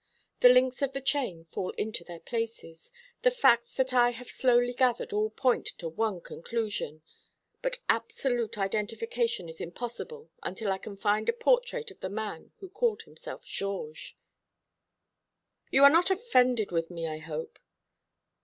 The links of the chain fall into their places the facts that I have slowly gathered all point to one conclusion; but absolute identification is impossible until I can find a portrait of the man who called himself Georges." "You are not offended with me, I hope?"